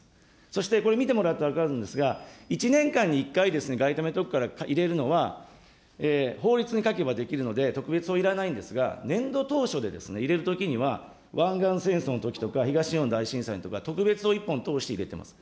そしてこれ見てもらうと分かるんですが、１年間に１回、外為特会から入れるのは、法律に書けばできるので、特別にはいらないんですが、年度当初で入れるときには、湾岸戦争のときとか、東日本大震災のときとか、特別法を１本通して入れています。